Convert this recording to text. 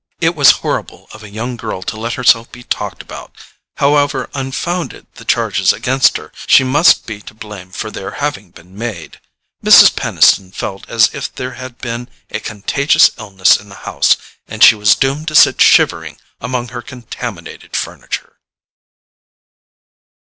It was horrible of a young girl to let herself be talked about; however unfounded the charges against her, she must be to blame for their having been made. Mrs. Peniston felt as if there had been a contagious illness in the house, and she was doomed to sit shivering among her contaminated furniture.